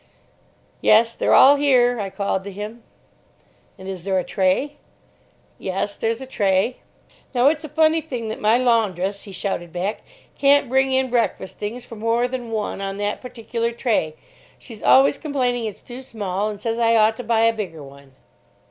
"Yes, they're all here," I called to him. "And is there a tray?" "Yes, there's a tray." "Now, it's a funny thing that my laundress," he shouted back, "can't bring in breakfast things for more than one on that particular tray. She's always complaining it's too small, and says I ought to buy a bigger one."